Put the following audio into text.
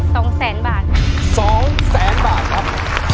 สองแสนบาทสองแสนบาทครับ